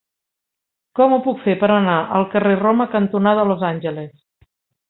Com ho puc fer per anar al carrer Roma cantonada Los Angeles?